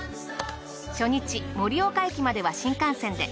初日盛岡駅までは新幹線で。